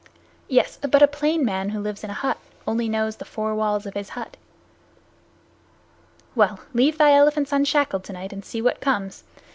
"Yes; but a plainsman who lives in a hut knows only the four walls of his hut. Well, leave thy elephants unshackled tonight and see what comes.